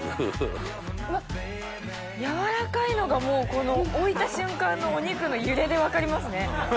うわっ軟らかいのがもう置いた瞬間のお肉の揺れで分かりますね。